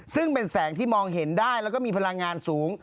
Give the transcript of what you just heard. ซึ่งเป็นแสงที่มองเห็นได้แล้วก็มีพลังงานสูง